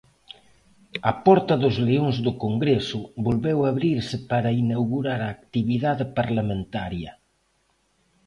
A porta dos Leóns do Congreso volveu abrirse para inaugurar a actividade parlamentaria.